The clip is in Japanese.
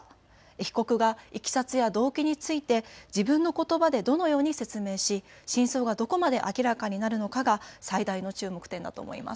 被告がいきさつや動機について自分のことばでどのように説明し真相がどこまで明らかになるのかが最大の注目点だと思います。